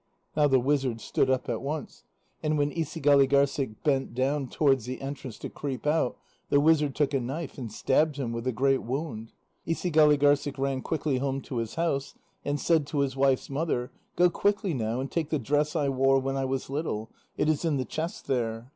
Now the wizard stood up at once, and when Isigâligârssik bent down towards the entrance to creep out, the wizard took a knife, and stabbed him with a great wound. Isigâligârssik ran quickly home to his house, and said to his wife's mother: "Go quickly now and take the dress I wore when I was little. It is in the chest there."